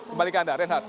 kembali ke anda rehat